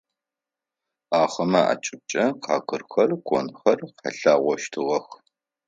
Ахэмэ акӏыбкӏэ къакъырхэр, конхэр къэлъагъощтыгъэх.